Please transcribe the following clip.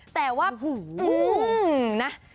แต่ว่าอื้อจริงนะ